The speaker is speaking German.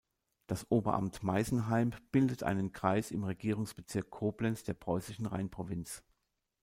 Das Oberamt Meisenheim bildete einen Kreis im Regierungsbezirk Koblenz der preußischen Rheinprovinz.